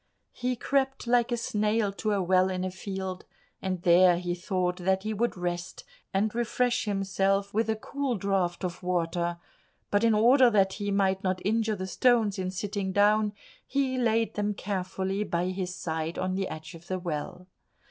He crept like a snail to a well in a field, and there he thought that he would rest and refresh himself with a cool draught of water, but in order that he might not injure the stones in sitting down, he laid them carefully by his side on the edge of the well.